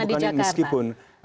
mungkin bukan meskipun